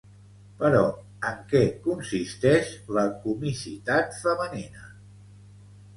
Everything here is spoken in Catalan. Però en què consisteix la ‘comicitat femenina’?